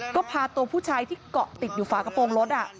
ก็พาตัวผู้ชายที่เกาะติดอยู่ฝากระโปรงรถ